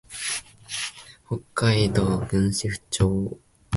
北海道訓子府町